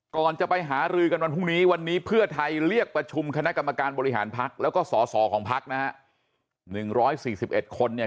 ก่อนจะไปหารือกันวันพรุ่งนี้วันนี้เพื่อไทยเรียกประชุมคณะกรรมการบริหารพักแล้วก็สอสอของพักนะฮะ๑๔๑คนเนี่ย